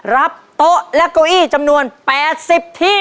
รับโต๊ะและเก้าอี้จำนวน๘๐ที่